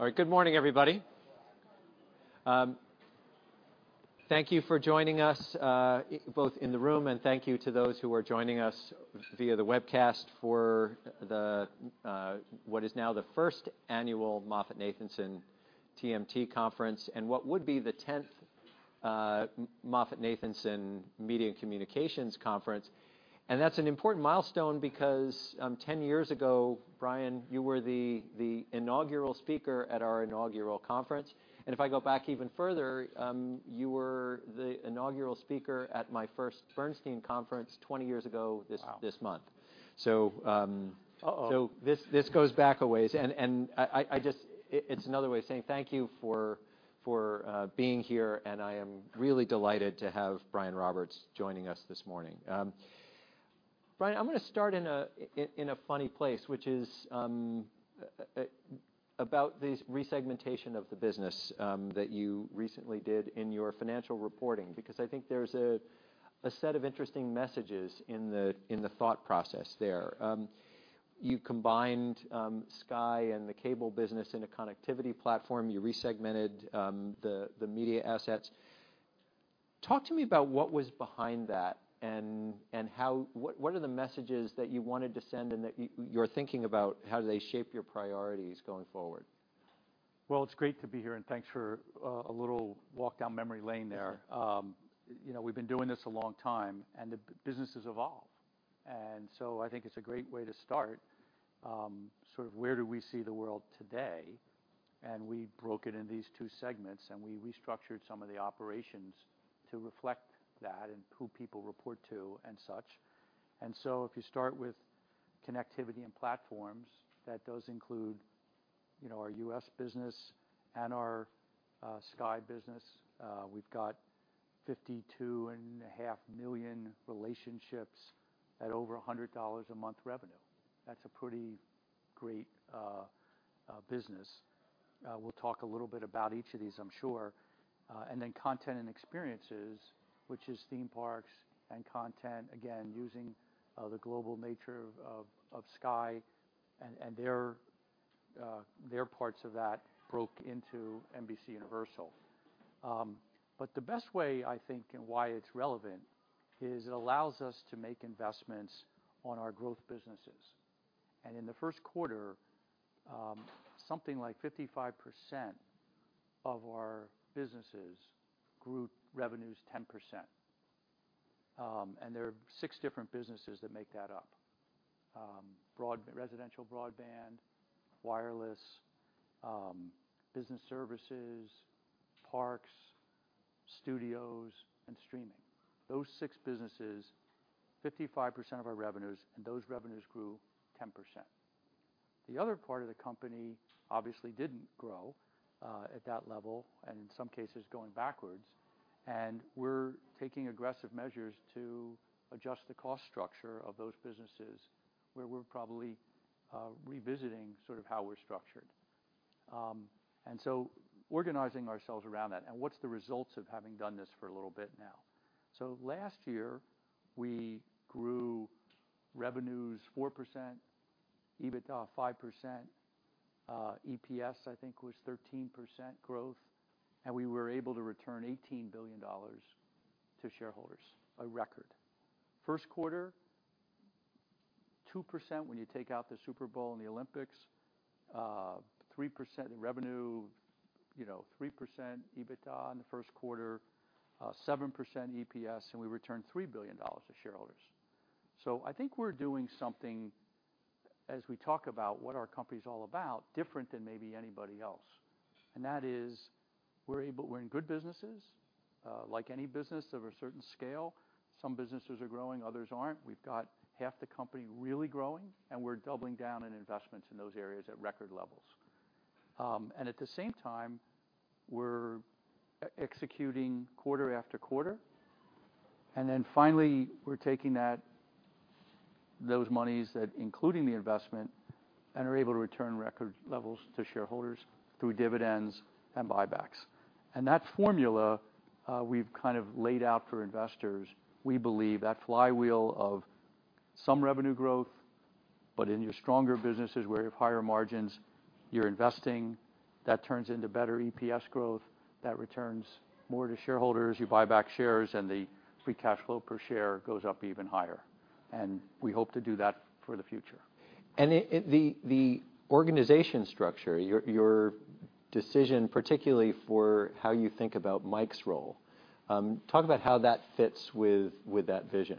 All right. Good morning, everybody. Thank you for joining us, both in the room, and thank you to those who are joining us via the webcast for the what is now the first annual MoffettNathanson TMT conference, and what would be the 10th MoffettNathanson Media and Communications Conference. That's an important milestone because, 10 years ago, Brian, you were the inaugural speaker at our inaugural conference. If I go back even further, you were the inaugural speaker at my first Bernstein conference 20 years ago. Wow. this month. This goes back a ways. I just, it's another way of saying thank you for being here, and I am really delighted to have Brian Roberts joining us this morning. Brian, I'm gonna start in a funny place, which is about the resegmentation of the business that you recently did in your financial reporting, because I think there's a set of interesting messages in the thought process there. You combined Sky and the cable business in a connectivity platform. You resegmented the media assets. Talk to me about what was behind that and how. What are the messages that you wanted to send and that you're thinking about how they shape your priorities going forward? Well, it's great to be here, and thanks for a little walk down memory lane there. Yeah. You know, we've been doing this a long time, and the business has evolved. I think it's a great way to start, sort of where do we see the world today, and we broke it into these two segments, and we restructured some of the operations to reflect that and who people report to and such. If you start with connectivity and platforms, that does include, you know, our U.S. business and our Sky business. We've got $52.5 million relationships at over $100 a month revenue. That's a pretty great business. We'll talk a little bit about each of these, I'm sure. Then content and experiences, which is theme parks and content, again, using the global nature of, of Sky and their their parts of that broke into NBCUniversal. The best way, I think, and why it's relevant is it allows us to make investments on our growth businesses. In the Q1, something like 55% of our businesses grew revenues 10%. There are six different businesses that make that up: residential broadband, wireless, business services, parks, studios, and streaming. Those six businesses, 55% of our revenues, and those revenues grew 10%. The other part of the company obviously didn't grow, at that level, and in some cases going backwards, and we're taking aggressive measures to adjust the cost structure of those businesses where we're probably, revisiting sort of how we're structured. Organizing ourselves around that and what's the results of having done this for a little bit now. Last year we grew revenues 4%, EBITDA 5%, EPS, I think, was 13% growth, and we were able to return $18 billion to shareholders, a record. Q1, 2% when you take out the Super Bowl and the Olympics, 3% in revenue, you know, 3% EBITDA in the Q1, 7% EPS, and we returned $3 billion to shareholders. I think we're doing something, as we talk about what our company's all about, different than maybe anybody else. That is we're in good businesses. Like any business of a certain scale, some businesses are growing, others aren't. We've got half the company really growing, and we're doubling down on investments in those areas at record levels. And at the same time, we're executing quarter after quarter. Finally, we're taking that, those monies that including the investment and are able to return record levels to shareholders through dividends and buybacks. That formula, we've kind of laid out for investors. We believe that flywheel of some revenue growth, but in your stronger businesses where you have higher margins, you're investing. That turns into better EPS growth. That returns more to shareholders. You buy back shares, and the free cash flow per share goes up even higher. We hope to do that for the future. The organization structure, your decision, particularly for how you think about Mike's role, talk about how that fits with that vision.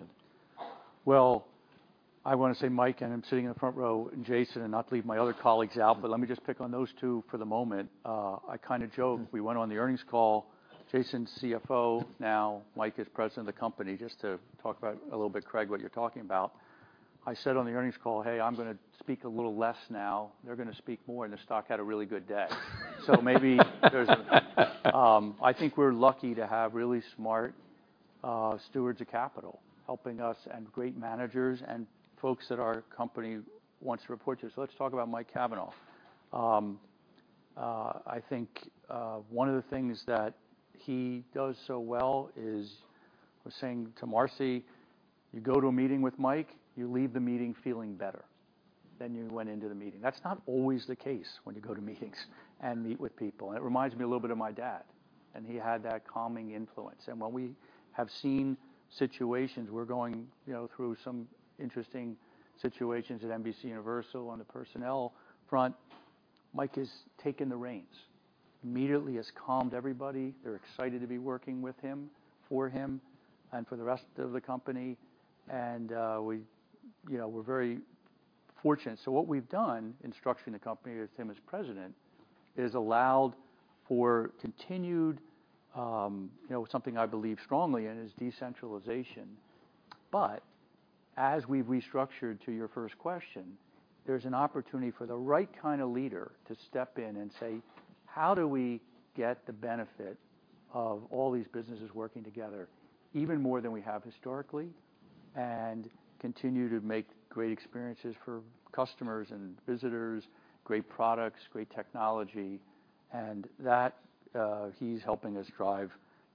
I wanna say Mike, and I'm sitting in the front row, and Jason, and not leave my other colleagues out, but let me just pick on those two for the moment. I kinda joke. We went on the earnings call. Jason's CFO now. Mike is President of the company. Just to talk about a little bit, Craig, what you're talking about. I said on the earnings call, "Hey, I'm gonna speak a little less now. They're gonna speak more," and the stock had a really good day. Maybe there's I think we're lucky to have really smart stewards of capital helping us and great managers and folks at our company wants to report to us. Let's talk about Mike Cavanagh. I think, one of the things that he does so well is was saying to Marcy. You go to a meeting with Mike, you leave the meeting feeling better than you went into the meeting. That's not always the case when you go to meetings and meet with people. It reminds me a little bit of my dad, and he had that calming influence. When we have seen situations, we're going, you know, through some interesting situations at NBCUniversal on the personnel front, Mike has taken the reins. Immediately has calmed everybody. They're excited to be working with him, for him, and for the rest of the company. You know, we're very fortunate. What we've done in structuring the company with him as president, is allowed for continued, you know, something I believe strongly in, is decentralization. As we've restructured, to your first question, there's an opportunity for the right kind of leader to step in and say, "How do we get the benefit of all these businesses working together even more than we have historically, and continue to make great experiences for customers and visitors, great products, great technology?" That, he's helping us drive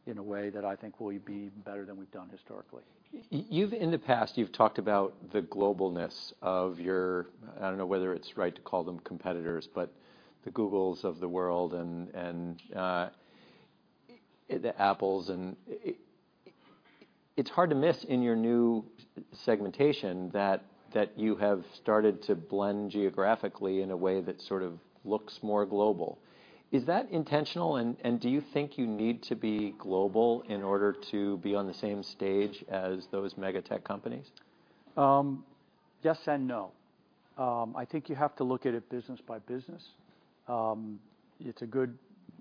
in a way that I think will be better than we've done historically. You've in the past, you've talked about the globalness of your, I don't know whether it's right to call them competitors, but the Googles of the world and the Apples. It's hard to miss in your new segmentation that you have started to blend geographically in a way that sort of looks more global. Is that intentional and do you think you need to be global in order to be on the same stage as those mega tech companies? Yes and no. I think you have to look at it business by business.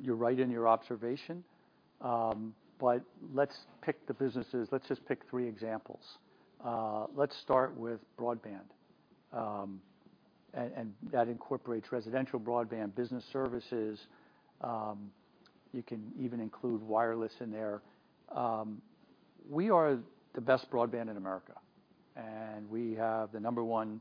You're right in your observation, let's pick the businesses. Let's just pick 3 examples. Let's start with broadband, and that incorporates residential broadband, business services, you can even include wireless in there. We are the best broadband in America, and we have the number 1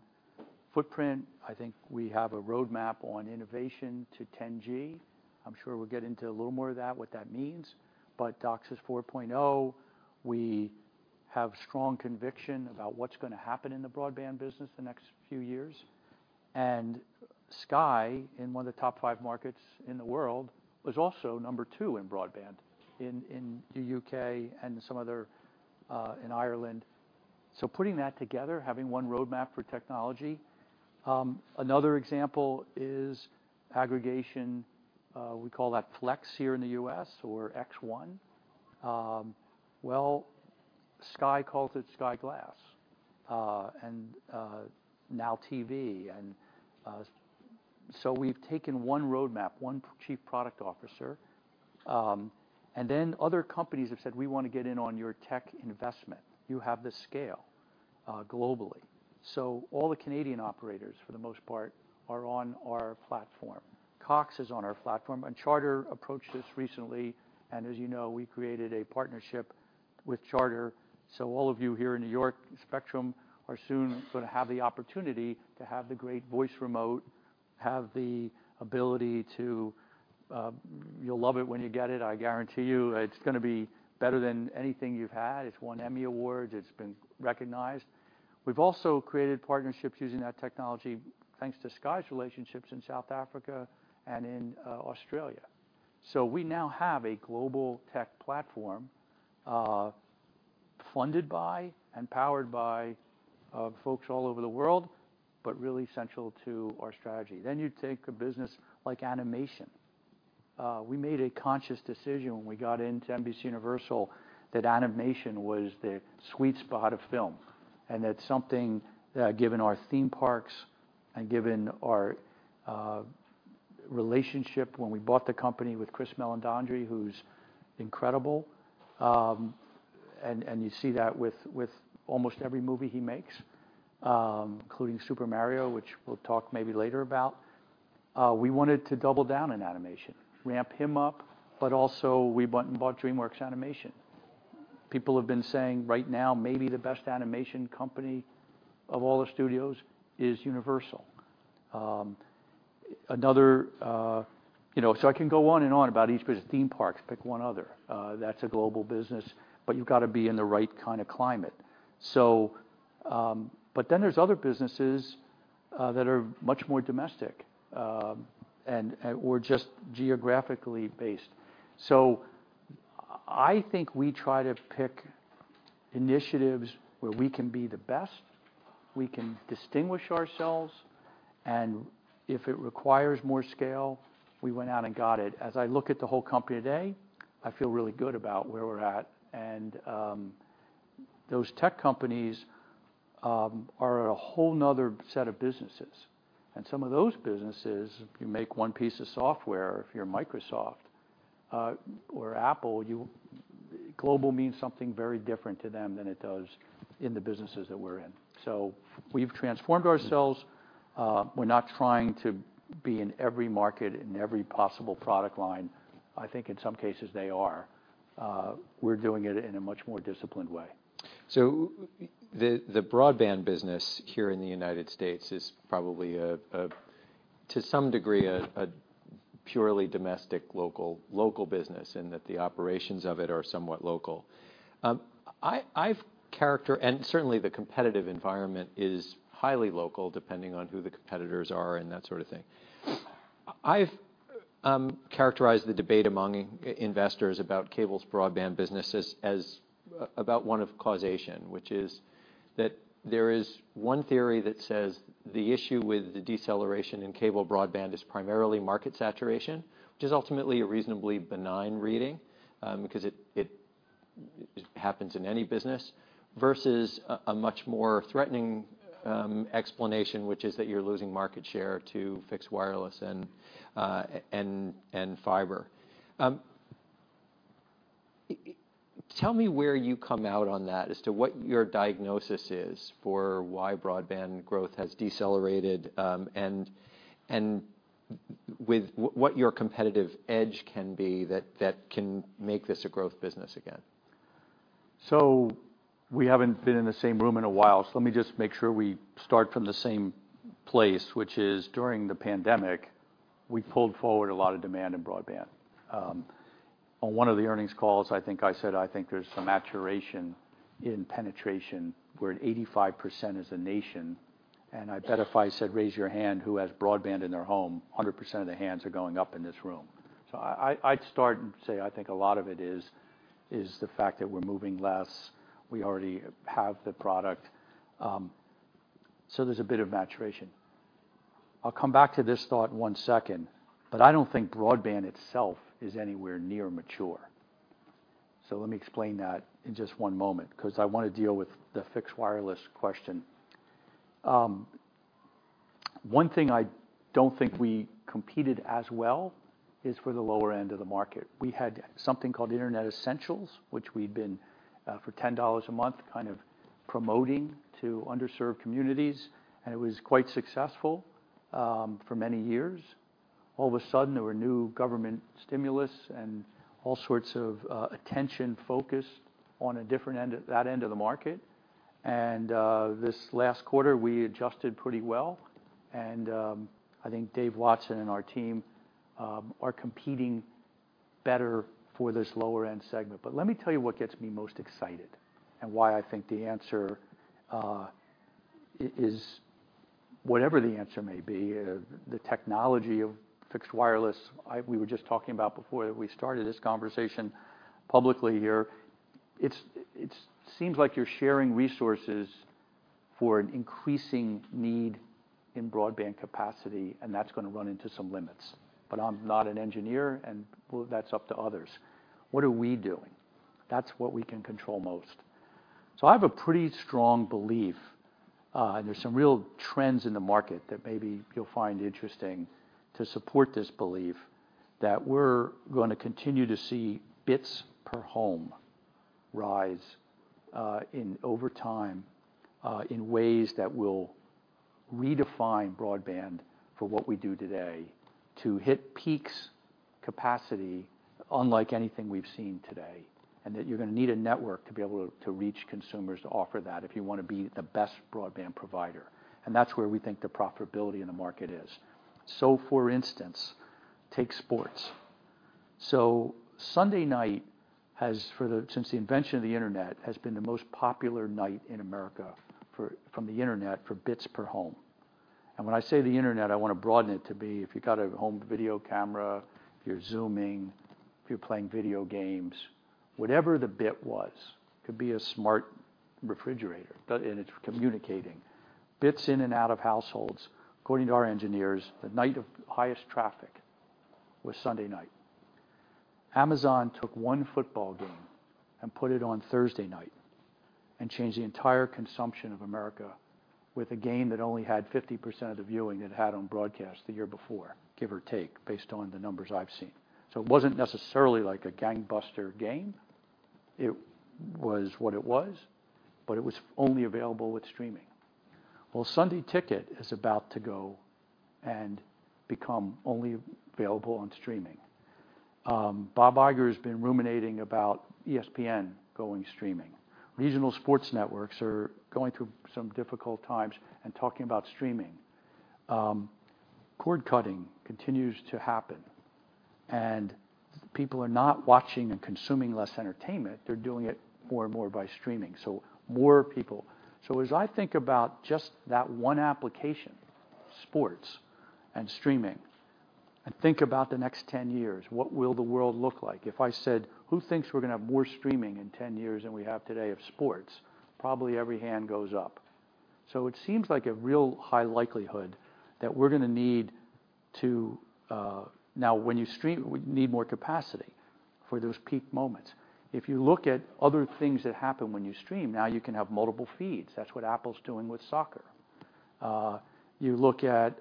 footprint. I think we have a roadmap on innovation to 10G. I'm sure we'll get into a little more of that, what that means. DOCSIS 4.0, we have strong conviction about what's gonna happen in the broadband business the next few years. Sky, in 1 of the top 5 markets in the world, was also number 2 in broadband in the UK and some other in Ireland. Putting that together, having one roadmap for technology. Another example is aggregation, we call that Flex here in the U.S. or X1. Well, Sky calls it Sky Glass, and NOW. We've taken one roadmap, one chief product officer, and then other companies have said, "We wanna get in on your tech investment. You have the scale globally." All the Canadian operators, for the most part, are on our platform. Cox is on our platform. Charter approached us recently, as you know, we created a partnership with Charter. All of you here in New York, Spectrum are soon gonna have the opportunity to have the great voice remote, have the ability to. You'll love it when you get it, I guarantee you. It's gonna be better than anything you've had. It's won Emmy awards, it's been recognized. We've also created partnerships using that technology, thanks to Sky's relationships in South Africa and in Australia. We now have a global tech platform, funded by and powered by folks all over the world, but really central to our strategy. You take a business like animation. We made a conscious decision when we got into NBCUniversal, that animation was the sweet spot of film. That's something that, given our theme parks and given our relationship when we bought the company with Chris Meledandri, who's incredible, and you see that with almost every movie he makes, including Super Mario, which we'll talk maybe later about. We wanted to double down in animation, ramp him up, but also we went and bought DreamWorks Animation. People have been saying right now, maybe the best animation company of all the studios is Universal. You know, I can go on and on about each business. Theme parks, pick one other. That's a global business, but you've gotta be in the right kinda climate. There's other businesses, that are much more domestic, and, or just geographically based. I think we try to pick initiatives where we can be the best, we can distinguish ourselves, and if it requires more scale, we went out and got it. As I look at the whole company today, I feel really good about where we're at. Those tech companies, are a whole another set of businesses. Some of those businesses, if you make one piece of software, if you're Microsoft, or Apple, Global means something very different to them than it does in the businesses that we're in. We've transformed ourselves. We're not trying to be in every market, in every possible product line. I think in some cases they are. We're doing it in a much more disciplined way. The broadband business here in the United States is probably a, to some degree, a purely domestic, local business and that the operations of it are somewhat local. Certainly, the competitive environment is highly local, depending on who the competitors are and that sort of thing. I've characterized the debate among investors about cable's broadband business as about one of causation. Which is that there is one theory that says the issue with the deceleration in cable broadband is primarily market saturation, which is ultimately a reasonably benign reading, because it happens in any business. Versus a much more threatening explanation, which is that you're losing market share to fixed wireless and fiber. Tell me where you come out on that as to what your diagnosis is for why broadband growth has decelerated, and what your competitive edge can be that can make this a growth business again. We haven't been in the same room in a while, so let me just make sure we start from the same place, which is during the pandemic we pulled forward a lot of demand in broadband. On one of the earnings calls, I think I said there's some maturation in penetration. We're at 85% as a nation and I bet if I said, "Raise your hand who has broadband in their home," 100% of the hands are going up in this room. I'd start and say I think a lot of it is the fact that we're moving less. We already have the product. There's a bit of maturation. I'll come back to this thought in one second, but I don't think broadband itself is anywhere near mature. Let me explain that in just one moment 'cause I wanna deal with the fixed wireless question. One thing I don't think we competed as well is for the lower end of the market. We had something called Internet Essentials, which we'd been, for $10 a month kind of promoting to underserved communities and it was quite successful, for many years. All of a sudden there were new government stimulus and all sorts of attention focused on that end of the market. This last quarter we adjusted pretty well, and I think Dave Watson and our team are competing better for this lower-end segment. Let me tell you what gets me most excited and why I think the answer is whatever the answer may be, the technology of fixed wireless. We were just talking about before we started this conversation publicly here. It seems like you're sharing resources for an increasing need in broadband capacity and that's gonna run into some limits. I'm not an engineer and that's up to others. What are we doing? That's what we can control most. I have a pretty strong belief, and there's some real trends in the market that maybe you'll find interesting to support this belief that we're gonna continue to see bits per home rise in over time in ways that will redefine broadband for what we do today to hit peaks capacity unlike anything we've seen today. That you're gonna need a network to be able to reach consumers to offer that if you wanna be the best broadband provider and that's where we think the profitability in the market is. For instance, take sports. Sunday night has since the invention of the Internet, has been the most popular night in America from the Internet for bits per home. When I say the Internet, I want to broaden it to be if you've got a home video camera, if you're Zooming, if you're playing video games, whatever the bit was. Could be a smart refrigerator and it's communicating. Bits in and out of households according to our engineers the night of highest traffic was Sunday night. Amazon took 1 football game and put it on Thursday night and changed the entire consumption of America with a game that only had 50% of the viewing it had on broadcast the year before, give or take based on the numbers I've seen. It wasn't necessarily like a gangbuster game. It was what it was, but it was only available with streaming. Sunday Ticket is about to go and become only available on streaming. Bob Iger's been ruminating about ESPN going streaming. Regional sports networks are going through some difficult times and talking about streaming. Cord-cutting continues to happen and people are not watching and consuming less entertainment, they're doing it more and more by streaming. More people. As I think about just that one application, sports and streaming and think about the next 10 years, what will the world look like? If I said, "Who thinks we're gonna have more streaming in 10 years than we have today of sports?" Probably every hand goes up. It seems like a real high likelihood that we're gonna need to. Now when you stream, we need more capacity for those peak moments. If you look at other things that happen when you stream, now you can have multiple feeds. That's what Apple's doing with soccer. You look at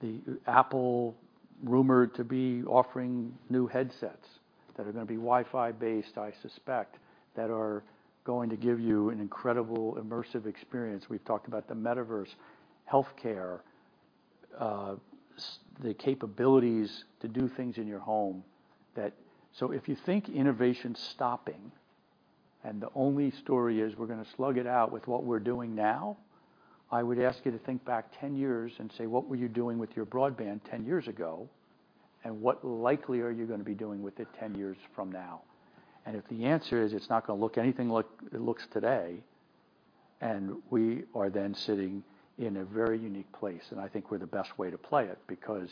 the Apple rumored to be offering new headsets that are gonna be Wi-Fi based, I suspect that are going to give you an incredible immersive experience. We've talked about the metaverse healthcare, the capabilities to do things in your home that. If you think innovation's stopping. The only story is we're gonna slug it out with what we're doing now. I would ask you to think back 10 years and say, what were you doing with your broadband 10 years ago? What likely are you gonna be doing with it 10 years from now? If the answer is it's not gonna look anything like it looks today. We are then sitting in a very unique place. I think we're the best way to play it because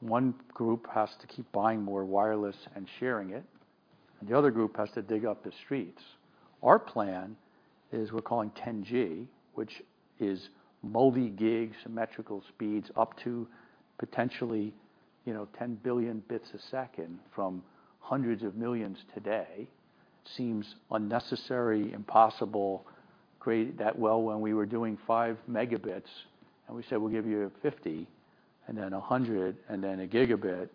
one group has to keep buying more wireless and sharing it. The other group has to dig up the streets. Our plan is we're calling 10G, which is multi-gig symmetrical speeds up to potentially, you know, 10 billion bits a second from hundreds of millions today. Seems unnecessary, impossible, create that well when we were doing 5 Megabits. We said we'll give you 50 and then 100 and then 1 Gigabit.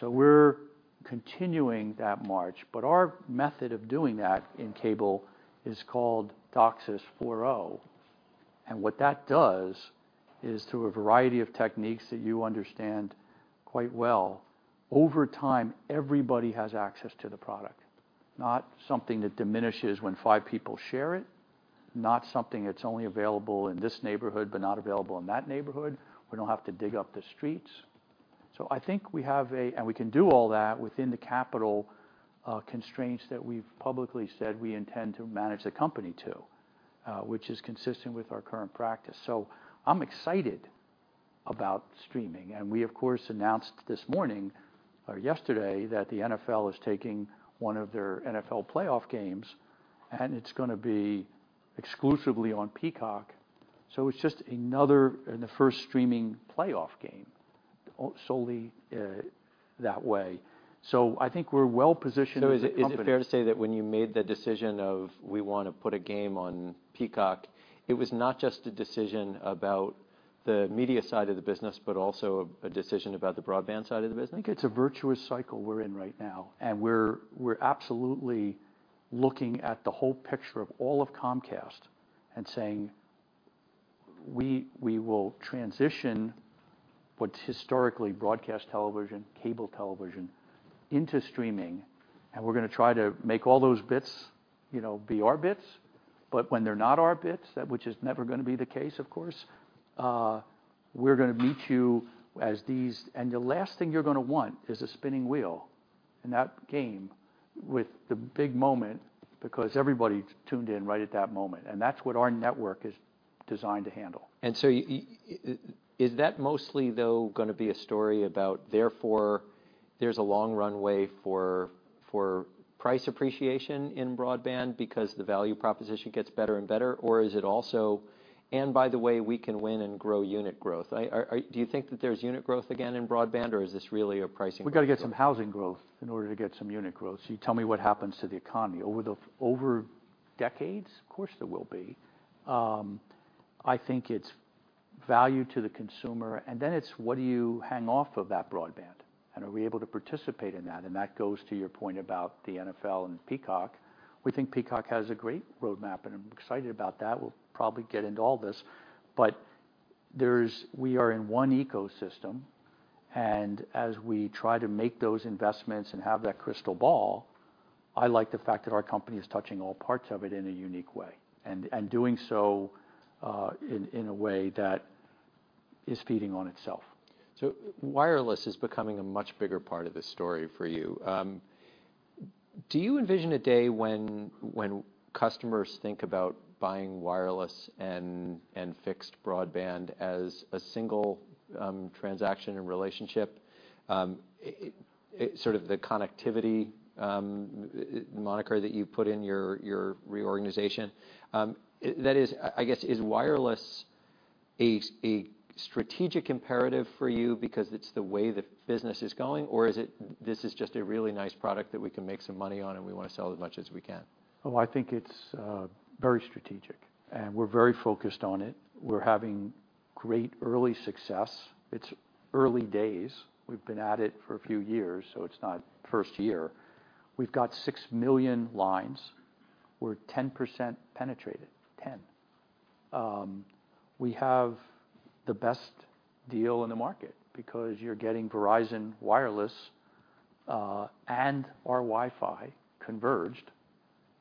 We're continuing that march, but our method of doing that in cable is called DOCSIS 4.0. What that does is through a variety of techniques that you understand quite well, over time, everybody has access to the product. Not something that diminishes when five people share it, not something that's only available in this neighborhood but not available in that neighborhood. We don't have to dig up the streets. I think we have And we can do all that within the capital constraints that we've publicly said we intend to manage the company to which is consistent with our current practice. I'm excited about streaming, and we, of course, announced this morning or yesterday that the NFL is taking one of their NFL playoff games, and it's gonna be exclusively on Peacock. It's just another in the first streaming playoff game solely that way. I think we're well-positioned as a company. Is it fair to say that when you made the decision of we wanna put a game on Peacock, it was not just a decision about the media side of the business, but also a decision about the broadband side of the business? I think it's a virtuous cycle we're in right now, and we're absolutely looking at the whole picture of all of Comcast and saying, we will transition what's historically broadcast television, cable television into streaming, and we're gonna try to make all those bits, you know, be our bits. When they're not our bits, that which is never gonna be the case, of course. The last thing you're gonna want is a spinning wheel in that game with the big moment because everybody's tuned in right at that moment, and that's what our network is designed to handle. Is that mostly, though, gonna be a story about therefore, there's a long runway for price appreciation in broadband because the value proposition gets better and better? Is it also, and by the way, we can win and grow unit growth? Do you think that there's unit growth again in broadband, or is this really a pricing growth? We gotta get some housing growth in order to get some unit growth. You tell me what happens to the economy. Over decades, of course, there will be. I think it's value to the consumer, and then it's what do you hang off of that broadband, and are we able to participate in that? That goes to your point about the NFL and Peacock. We think Peacock has a great roadmap, and I'm excited about that. We'll probably get into all this. We are in one ecosystem, and as we try to make those investments and have that crystal ball, I like the fact that our company is touching all parts of it in a unique way, and doing so, in a way that is feeding on itself. Wireless is becoming a much bigger part of the story for you. Do you envision a day when customers think about buying wireless and fixed broadband as a single transaction and relationship, sort of the connectivity moniker that you put in your reorganization? That is, I guess, is wireless a strategic imperative for you because it's the way the business is going, or is it this is just a really nice product that we can make some money on, and we want to sell as much as we can? I think it's very strategic, and we're very focused on it. We're having great early success. It's early days. We've been at it for a few years, so it's not first year. We've got 6 million lines. We're 10% penetrated. 10. We have the best deal in the market because you're getting Verizon Wireless, and our Wi-Fi converged,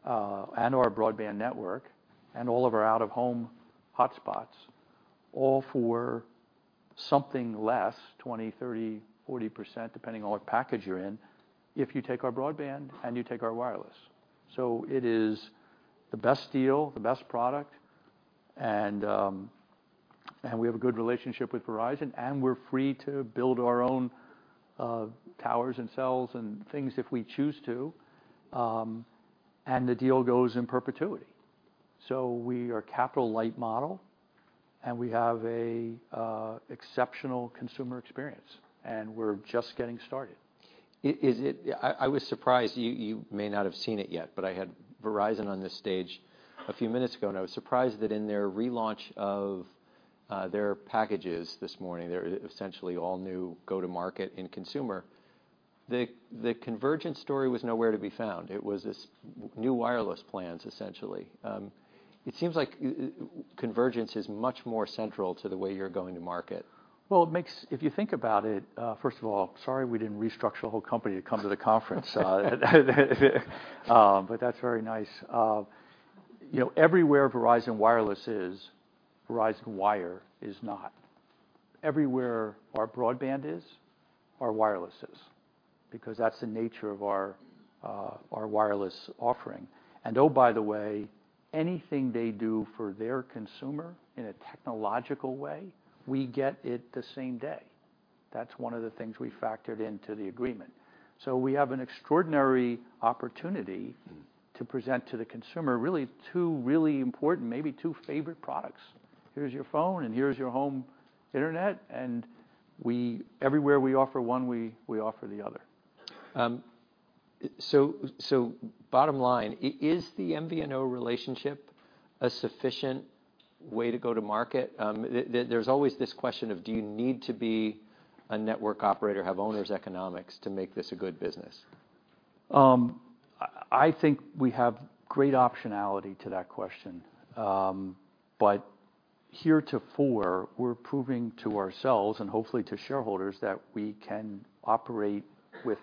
and our broadband network and all of our out-of-home hotspots, all for something less, 20%, 30%, 40%, depending on what package you're in, if you take our broadband and you take our wireless. It is the best deal, the best product, and we have a good relationship with Verizon, and we're free to build our own towers and cells and things if we choose to, and the deal goes in perpetuity. We are capital light model, and we have a exceptional consumer experience, and we're just getting started. I was surprised. You may not have seen it yet, but I had Verizon on this stage a few minutes ago, and I was surprised that in their relaunch of their packages this morning, their essentially all new go-to-market in consumer, the convergence story was nowhere to be found. It was just new wireless plans, essentially. It seems like convergence is much more central to the way you're going to market. Well, if you think about it, first of all, sorry, we didn't restructure the whole company to come to the conference. That's very nice. you know, everywhere Verizon Wireless is not. Everywhere our broadband is, our wireless is, because that's the nature of our wireless offering. Oh, by the way, anything they do for their consumer in a technological way, we get it the same day. That's one of the things we factored into the agreement. We have an extraordinary opportunity to present to the consumer really two really important, maybe two favorite products. Here's your phone and here's your home internet, and everywhere we offer one, we offer the other. Bottom line, is the MVNO relationship a sufficient way to go to market? There's always this question of do you need to be a network operator, have owners' economics to make this a good business? I think we have great optionality to that question. Heretofore, we're proving to ourselves, and hopefully to shareholders, that we can operate with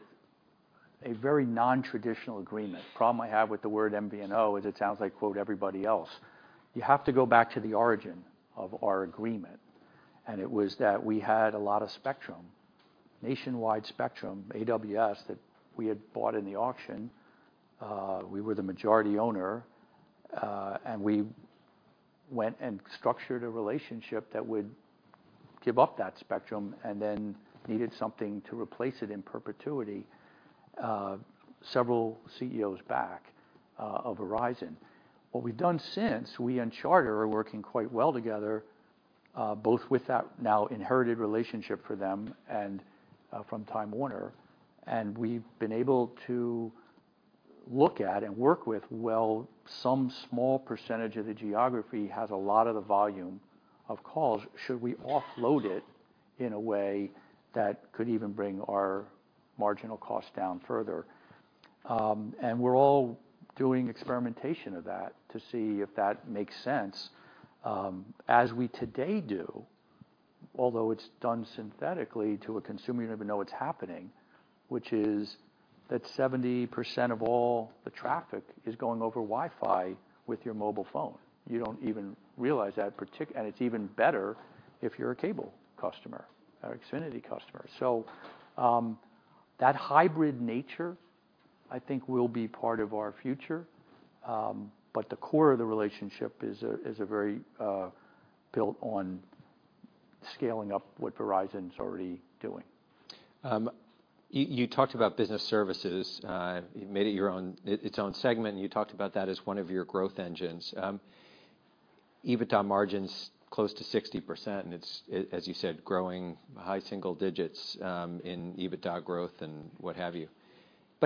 a very non-traditional agreement. The problem I have with the word MVNO is it sounds like, quote, "everybody else." You have to go back to the origin of our agreement, it was that we had a lot of spectrum, nationwide spectrum, AWS, that we had bought in the auction. We were the majority owner, and we went and structured a relationship that would give up that spectrum and then needed something to replace it in perpetuity, several CEOs back, of Verizon. What we've done since, we and Charter are working quite well together, both with that now inherited relationship for them and from Time Warner. We've been able to look at and work with, well, some small percentage of the geography has a lot of the volume of calls. Should we offload it in a way that could even bring our marginal cost down further? We're all doing experimentation of that to see if that makes sense, as we today do, although it's done synthetically to a consumer, you never know it's happening, which is that 70% of all the traffic is going over Wi-Fi with your mobile phone. You don't even realize that. It's even better if you're a cable customer, our Xfinity customer. That hybrid nature, I think, will be part of our future, but the core of the relationship is a very built on scaling up what Verizon's already doing. You talked about business services, you made it your own -- its own segment, and you talked about that as one of your growth engines. EBITDA margin's close to 60%, and it's, as you said, growing high single digits, in EBITDA growth and what have you.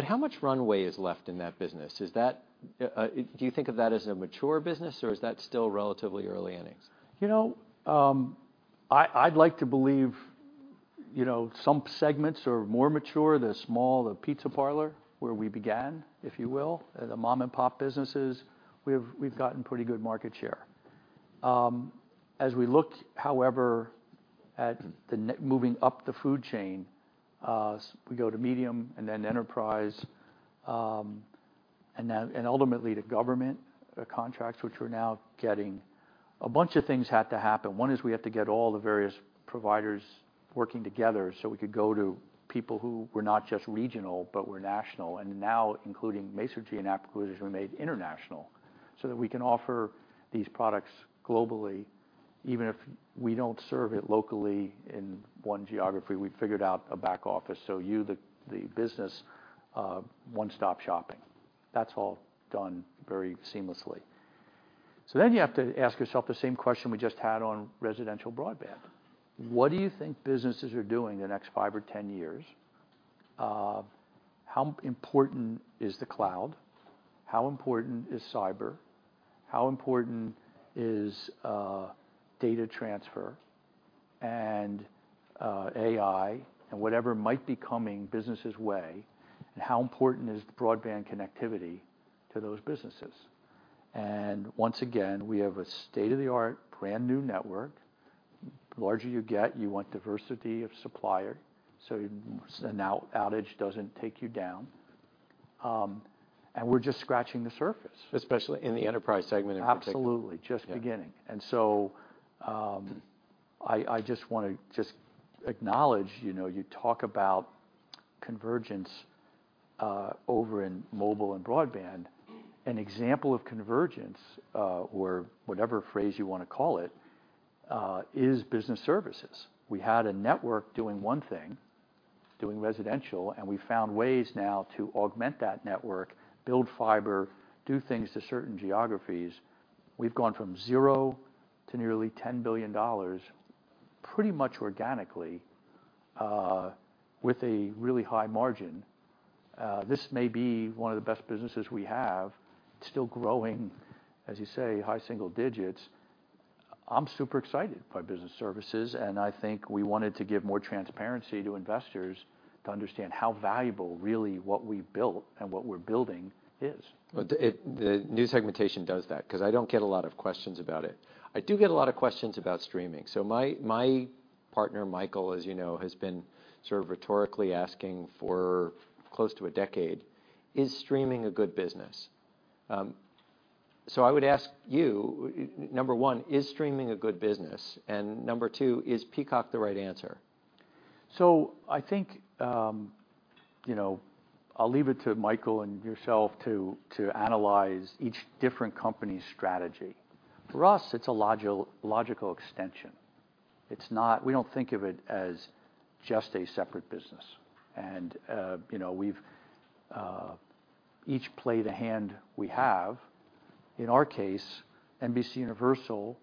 How much runway is left in that business? Is that, do you think of that as a mature business or is that still relatively early innings? You know, I'd like to believe, you know, some segments are more mature, the small, the pizza parlor where we began, if you will, the mom-and-pop businesses. We've gotten pretty good market share. As we look, however, at the moving up the food chain, we go to medium and then enterprise, ultimately to government contracts, which we're now getting, a bunch of things had to happen. One is we have to get all the various providers working together so we could go to people who were not just regional, but were national. Now including Masergy and acquisition made international, so that we can offer these products globally. Even if we don't serve it locally in one geography, we figured out a back office. You, the business, one-stop shopping. That's all done very seamlessly. You have to ask yourself the same question we just had on residential broadband. What do you think businesses are doing the next 5 or 10 years? How important is the cloud? How important is cyber? How important is data transfer and AI and whatever might be coming businesses' way? How important is the broadband connectivity to those businesses? Once again, we have a state-of-the-art brand-new network. The larger you get, you want diversity of supplier, so an outage doesn't take you down. We're just scratching the surface. Especially in the enterprise segment in particular. Absolutely. Yeah. Just beginning. I just wanna acknowledge, you know, you talk about convergence over in mobile and broadband. An example of convergence, or whatever phrase you wanna call it, is business services. We had a network doing one thing, doing residential, and we found ways now to augment that network, build fiber, do things to certain geographies. We've gone from 0 to nearly $10 billion pretty much organically, with a really high margin. This may be one of the best businesses we have. It's still growing, as you say, high single digits. I'm super excited by business services, and I think we wanted to give more transparency to investors to understand how valuable really what we built and what we're building is. Well, the new segmentation does that, 'cause I don't get a lot of questions about it. I do get a lot of questions about streaming. My Partner Michael, as you know, has been sort of rhetorically asking for close to a decade, "Is streaming a good business?" I would ask you, number one, is streaming a good business? Number two, is Peacock the right answer? I think, you know, I'll leave it to Michael and yourself to analyze each different company's strategy. For us, it's a logical extension. It's not. We don't think of it as just a separate business. You know, we've each played a hand we have. In our case, NBCUniversal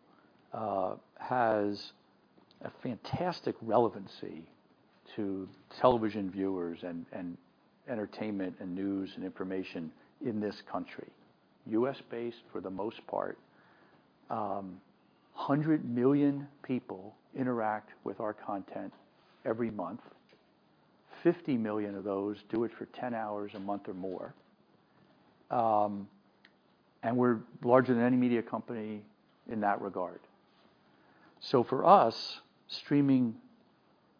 has a fantastic relevancy to television viewers and entertainment and news and information in this country. U.S.-based, for the most part. 100 million people interact with our content every month. 50 million of those do it for 10 hours a month or more. We're larger than any media company in that regard. For us, streaming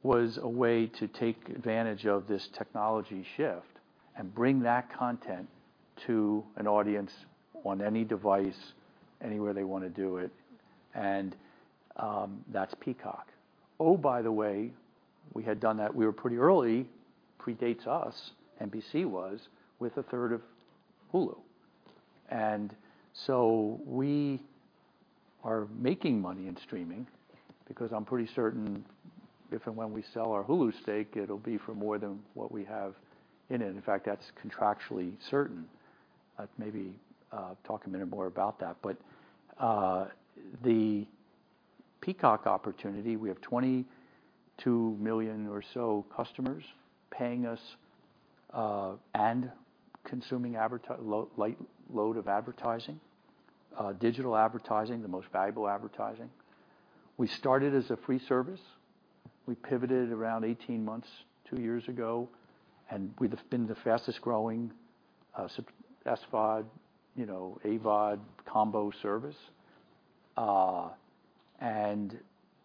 was a way to take advantage of this technology shift and bring that content to an audience on any device, anywhere they wanna do it, and that's Peacock. By the way, we had done that. We were pretty early. Predates us, NBC was, with a third of Hulu. We are making money in streaming because I'm pretty certain if and when we sell our Hulu stake, it'll be for more than what we have in it. In fact, that's contractually certain. I'd maybe talk a minute more about that. The Peacock opportunity, we have 22 million or so customers paying us and consuming light load of advertising, digital advertising, the most valuable advertising. We started as a free service. We pivoted around 18 months, 2 years ago, and we've been the fastest-growing SVOD, you know, AVOD combo service.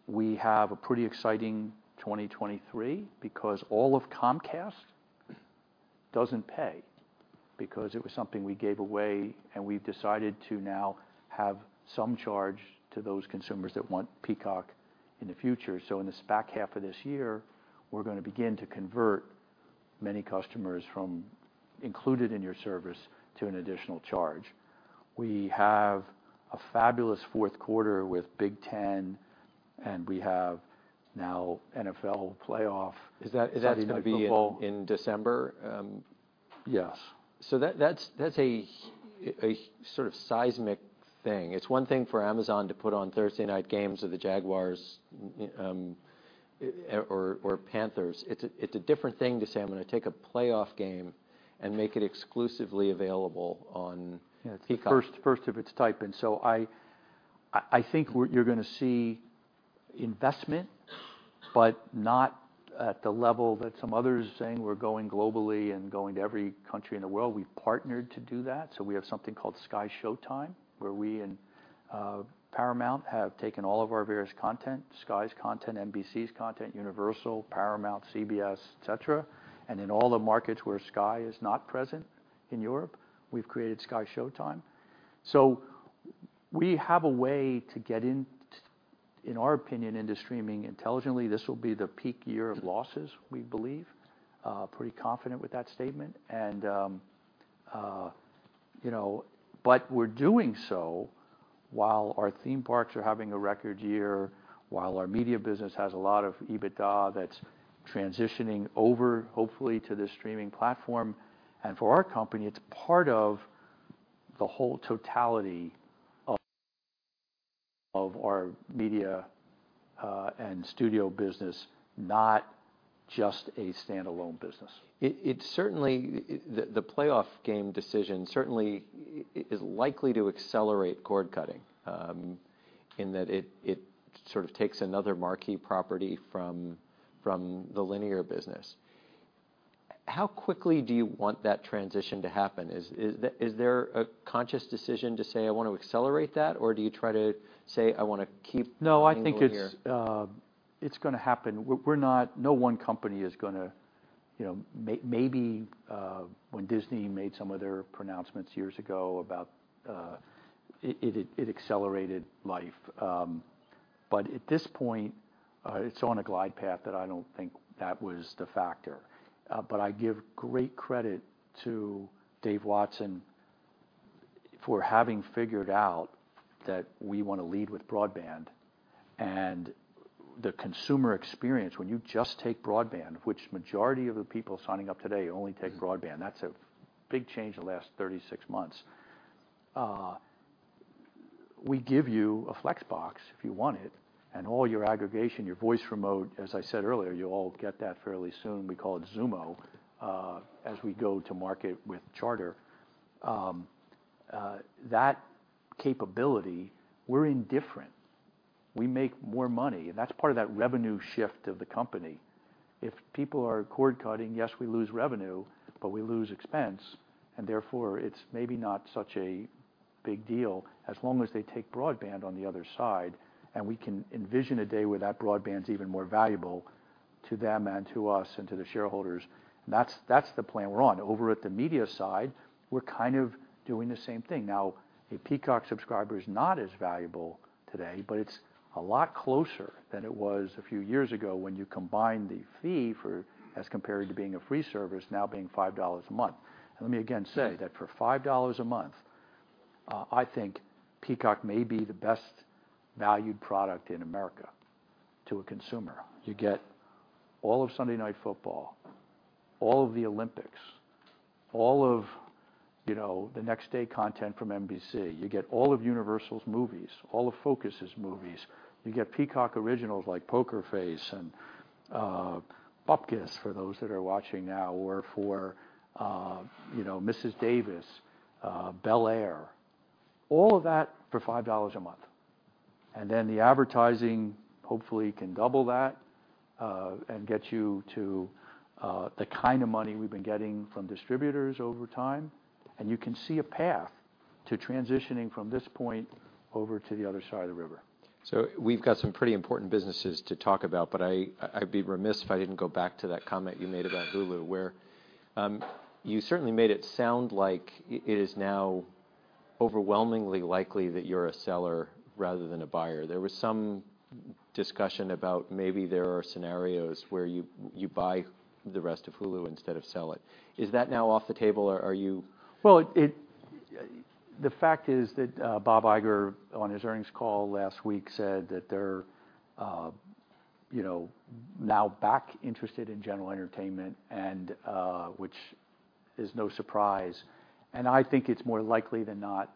We have a pretty exciting 2023 because all of Comcast doesn't pay because it was something we gave away, and we've decided to now have some charge to those consumers that want Peacock in the future. In the back half of this year, we're gonna begin to convert many customers from included in your service to an additional charge. We have a fabulous Q4 with Big Ten, we have now NFL playoff- Is that gonna be? Sunday Night Football... in December? Yes. That's a sort of seismic thing. It's one thing for Amazon to put on Thursday night games of the Jaguars or Panthers. It's a different thing to say, "I'm gonna take a playoff game and make it exclusively available on Peacock. Yeah. It's first of its type. I think what you're gonna see investment, but not at the level that some others saying we're going globally and going to every country in the world. We've partnered to do that, so we have something called SkyShowtime, where we and Paramount have taken all of our various content, Sky's content, NBC's content, Universal, Paramount, CBS, et cetera. In all the markets where Sky is not present in Europe, we've created SkyShowtime. We have a way to get in our opinion, into streaming intelligently. This will be the peak year of losses, we believe. Pretty confident with that statement. You know, but we're doing so while our theme parks are having a record year, while our media business has a lot of EBITDA that's transitioning over, hopefully, to the streaming platform. For our company, it's part of the whole totality of our media, and studio business, not just a standalone business. It certainly. The playoff game decision certainly is likely to accelerate cord-cutting, in that it sort of takes another marquee property from the linear business. How quickly do you want that transition to happen? Is there a conscious decision to say, "I want to accelerate that," or do you try to say, "I wanna keep the angle here? No, I think it's gonna happen. We're not No one company is gonna... You know, maybe when Disney made some of their pronouncements years ago about it accelerated life. At this point, it's on a glide path that I don't think that was the factor. I give great credit to Dave Watson for having figured out that we wanna lead with broadband. The consumer experience, when you just take broadband, which majority of the people signing up today only take broadband, that's a big change in the last 36 months. We give you a Flex box if you want it, and all your aggregation, your voice remote, as I said earlier, you'll all get that fairly soon, we call it Xumo, as we go to market with Charter. That capability, we're indifferent. We make more money, that's part of that revenue shift of the company. If people are cord cutting, yes, we lose revenue, but we lose expense and therefore it's maybe not such a big deal as long as they take broadband on the other side, and we can envision a day where that broadband's even more valuable to them and to us and to the shareholders. That's the plan we're on. Over at the media side, we're kind of doing the same thing. Now, a Peacock subscriber is not as valuable today, but it's a lot closer than it was a few years ago when you combine the fee for... as compared to being a free service, now being $5 a month. Let me again say that for $5 a month, I think Peacock may be the best valued product in America to a consumer. You get all of Sunday Night Football, all of the Olympics, all of, you know, the next-day content from NBC. You get all of Universal's movies, all of Focus's movies. You get Peacock Originals like Poker Face and Bupkis for those that are watching now, or for, you know, Mrs. Davis, Bel-Air. All of that for $5 a month. The advertising hopefully can double that and get you to the kind of money we've been getting from distributors over time, and you can see a path to transitioning from this point over to the other side of the river. We've got some pretty important businesses to talk about, but I'd be remiss if I didn't go back to that comment you made about Hulu, where you certainly made it sound like it is now overwhelmingly likely that you're a seller rather than a buyer. There was some discussion about maybe there are scenarios where you buy the rest of Hulu instead of sell it. Is that now off the table? Are you? Well, the fact is that Bob Iger, on his earnings call last week, said that they're, you know, now back interested in general entertainment and which is no surprise. I think it's more likely than not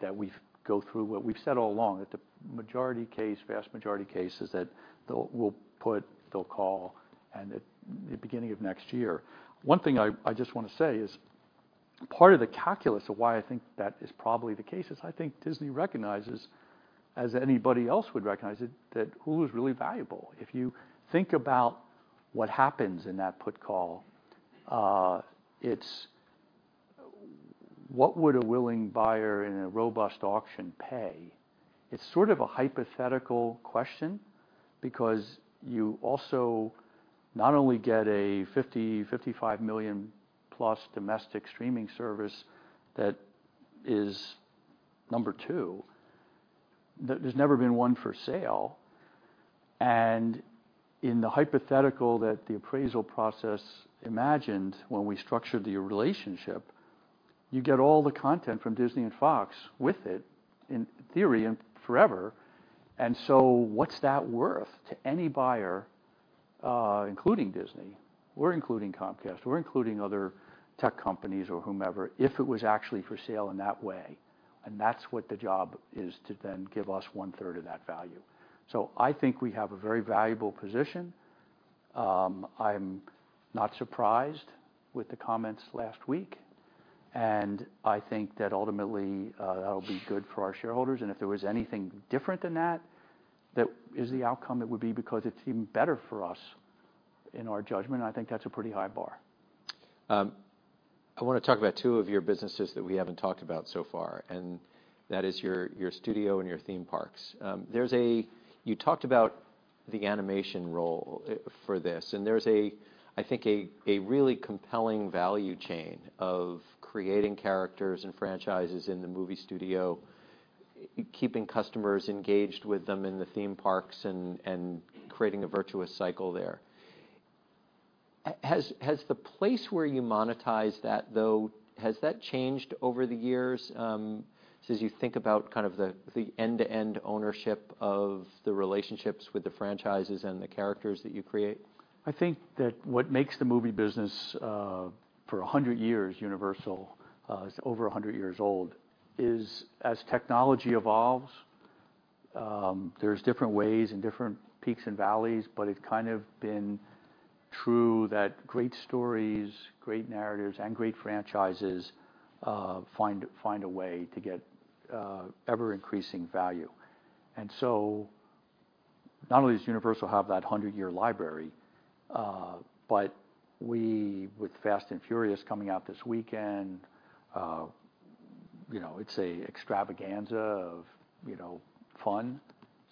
that we go through what we've said all along, that the majority case, vast majority case is that they'll call at the beginning of next year. One thing I just wanna say is part of the calculus of why I think that is probably the case is I think Disney recognizes, as anybody else would recognize, that Hulu is really valuable. If you think about what happens in that put call, it's what would a willing buyer in a robust auction pay? It's sort of a hypothetical question because you also not only get a $50, $55 million-plus domestic streaming service that is number two. There's never been one for sale. In the hypothetical that the appraisal process imagined when we structured the relationship, you get all the content from Disney and Fox with it, in theory, and forever. What's that worth to any buyer, including Disney or including Comcast or including other tech companies or whomever, if it was actually for sale in that way? That's what the job is to then give us one-third of that value. I think we have a very valuable position. I'm not surprised with the comments last week, and I think that ultimately, that'll be good for our shareholders, and if there was anything different than that is the outcome it would be because it's even better for us in our judgment. I think that's a pretty high bar. I wanna talk about two of your businesses that we haven't talked about so far, and that is your studio and your theme parks. You talked about the animation role for this, and there's a, I think, a really compelling value chain of creating characters and franchises in the movie studio, keeping customers engaged with them in the theme parks and creating a virtuous cycle there. Has the place where you monetize that, though, has that changed over the years, since you think about kind of the end-to-end ownership of the relationships with the franchises and the characters that you create? I think that what makes the movie business, for 100 years, Universal, it's over 100 years old, is as technology evolves, there's different ways and different peaks and valleys, but it kind of been true that great stories, great narratives, and great franchises, find a way to get ever-increasing value. Not only does Universal have that 100-year library, but we with Fast & Furious coming out this weekend, you know, it's a extravaganza of, you know, fun,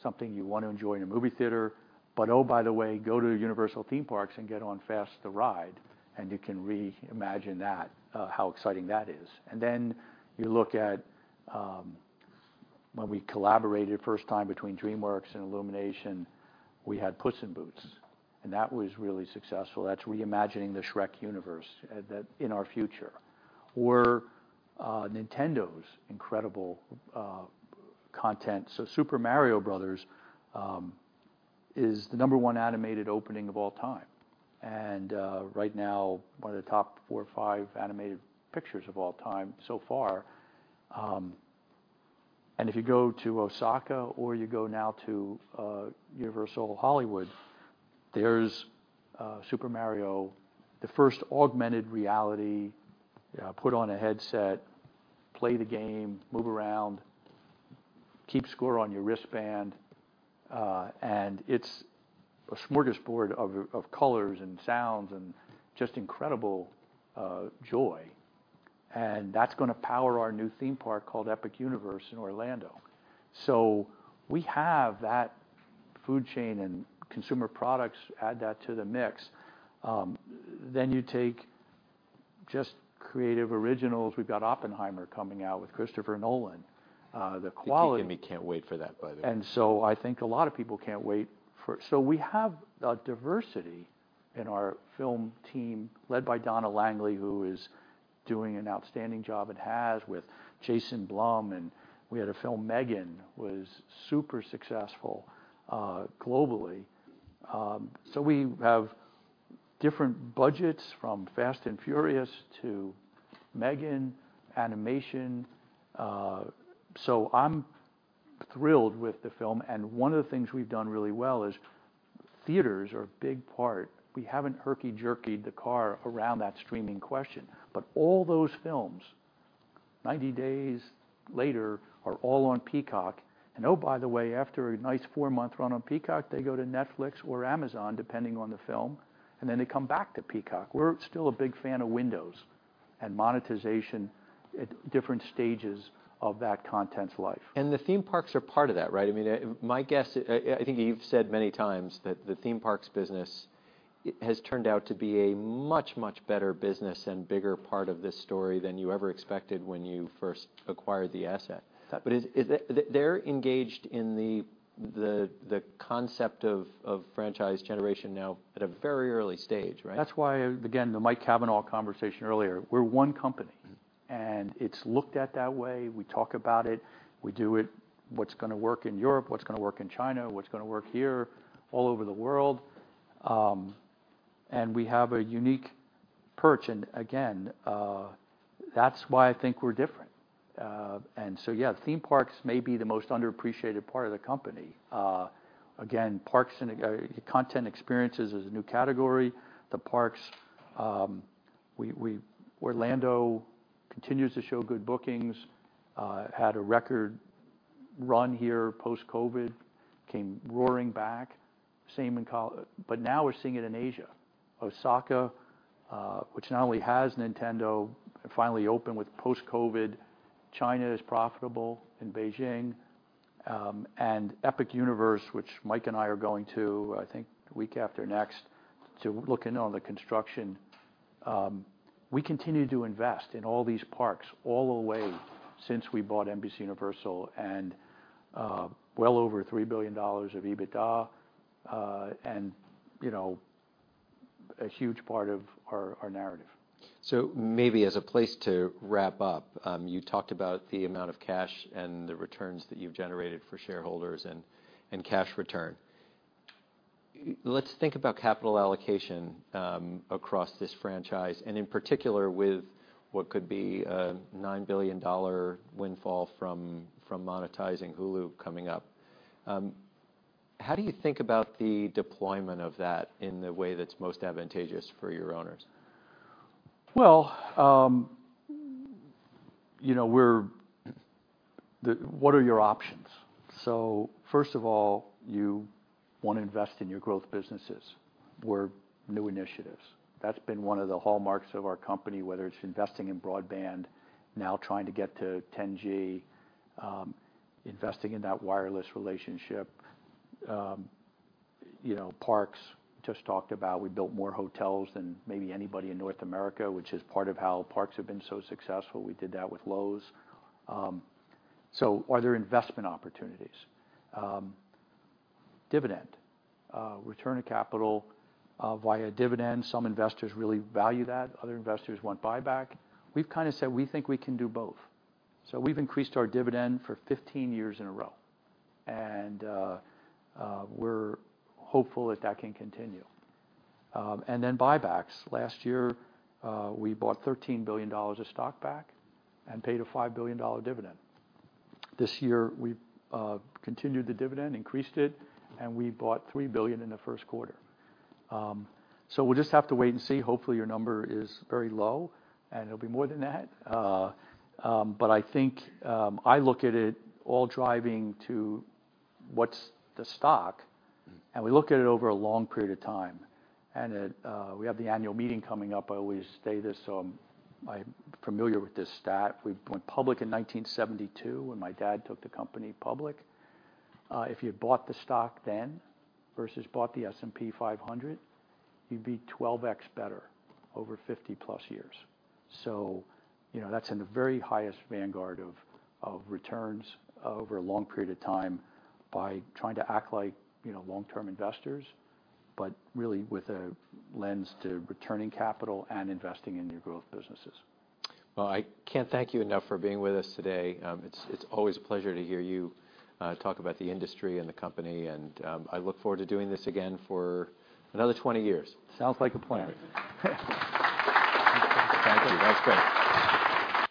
something you wanna enjoy in a movie theater. Go to Universal Theme Parks and get on Fast the ride, and you can reimagine that, how exciting that is. You look at, when we collaborated first time between DreamWorks and Illumination, we had Puss in Boots, and that was really successful. That's reimagining the Shrek universe, that in our future. Nintendo's incredible content. Super Mario Bros. is the number 1 animated opening of all time and right now one of the top 4 or 5 animated pictures of all time so far. If you go to Osaka or you go now to Universal Hollywood, there's Super Mario, the first augmented reality, put on a headset, play the game, move around. Keep score on your wristband. It's a smorgasbord of colors and sounds and just incredible joy. That's gonna power our new theme park called Epic Universe in Orlando. We have that food chain and consumer products add that to the mix. You take just creative originals. We've got Oppenheimer coming out with Christopher Nolan. If you get me, can't wait for that, by the way. I think a lot of people can't wait for... We have a diversity in our film team led by Donna Langley, who is doing an outstanding job and has with Jason Blum, and we had a film, M3GAN, was super successful, globally. We have different budgets from Fast & Furious to M3GAN animation. I'm thrilled with the film, and one of the things we've done really well is theaters are a big part. We haven't herky-jerkied the car around that streaming question. All those films, 90 days later, are all on Peacock. Oh, by the way, after a nice 4 month run on Peacock, they go to Netflix or Amazon, depending on the film, and then they come back to Peacock. We're still a big fan of Windows and monetization at different stages of that content's life. The theme parks are part of that, right? I mean, my guess, I think you've said many times that the theme parks business has turned out to be a much better business and bigger part of this story than you ever expected when you first acquired the asset. Yeah. They're engaged in the concept of franchise generation now at a very early stage, right? That's why, again, the Mike Cavanagh conversation earlier. We're one company, and it's looked at that way. We talk about it. We do it, what's gonna work in Europe, what's gonna work in China, what's gonna work here, all over the world. We have a unique perch. Again, that's why I think we're different. So yeah, theme parks may be the most underappreciated part of the company. Again, parks and content experiences is a new category. The parks, Orlando continues to show good bookings, had a record run here post-COVID, came roaring back. Now we're seeing it in Asia. Osaka, which not only has Nintendo, finally opened with post-COVID. China is profitable in Beijing. Epic Universe, which Mike and I are going to, I think week after next, to look in on the construction. We continue to invest in all these parks all the way since we bought NBCUniversal, and, well over $3 billion of EBITDA, and, you know, a huge part of our narrative. Maybe as a place to wrap up, you talked about the amount of cash and the returns that you've generated for shareholders and cash return. Let's think about capital allocation across this franchise, and in particular, with what could be a $9 billion windfall from monetizing Hulu coming up. How do you think about the deployment of that in the way that's most advantageous for your owners? Well, you know, what are your options? First of all, you wanna invest in your growth businesses or new initiatives. That's been one of the hallmarks of our company, whether it's investing in broadband, now trying to get to 10G, investing in that wireless relationship. You know, parks, just talked about, we built more hotels than maybe anybody in North America, which is part of how parks have been so successful. We did that with Lowe's. Are there investment opportunities? Dividend, return on capital via dividends. Some investors really value that. Other investors want buyback. We've kinda said we think we can do both. We've increased our dividend for 15 years in a row, and we're hopeful that that can continue. Then buybacks. Last year, we bought $13 billion of stock back and paid a $5 billion dividend. This year, we've continued the dividend, increased it, and we bought $3 billion in the Q1. We'll just have to wait and see. Hopefully, your number is very low, and it'll be more than that. I think, I look at it all driving to what's the stock, and we look at it over a long period of time. It. We have the annual meeting coming up. I always say this, so I'm familiar with this stat. We went public in 1972 when my dad took the company public. If you bought the stock then versus bought the S&P 500, you'd be 12x better over 50+ years. You know, that's in the very highest vanguard of returns over a long period of time by trying to act like, you know, long-term investors, but really with a lens to returning capital and investing in your growth businesses. Well, I can't thank you enough for being with us today. It's always a pleasure to hear you talk about the industry and the company, and I look forward to doing this again for another 20 years. Sounds like a plan. Thank you. That's great.